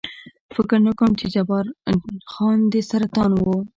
فکر نه کوم، چې جبار خان دې سرطان و.